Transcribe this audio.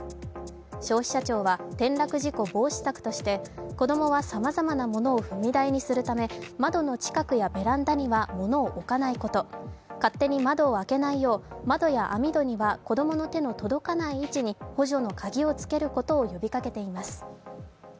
消費者庁は転落事故防止策として子供はさまざまなものを踏み台にするため窓の近くやベランダには物を置かないこと、勝手に窓を開けないよう窓や網戸には子供の手の届かない位置に補助の鍵をつけることを呼びかけています。